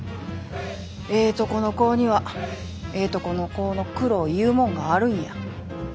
ええとこの子ぉにはええとこの子ぉの苦労いうもんがあるんや。